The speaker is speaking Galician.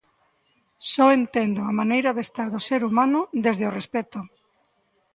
Só entendo a maneira de estar do ser humano desde o respecto.